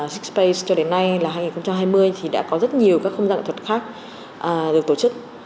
six space cho đến nay là hai nghìn hai mươi thì đã có rất nhiều các không dạng thuật khác được tổ chức